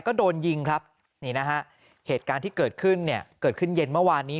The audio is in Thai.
ก็โดนยิงครับนี่นะฮะเหตุการณ์ที่เกิดขึ้นเนี่ยเกิดขึ้นเย็นเมื่อวานนี้